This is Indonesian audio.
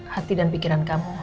hati dan pikiran kamu